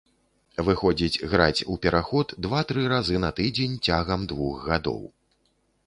Выходзіць граць у пераход два-тры разы на тыдзень цягам двух гадоў.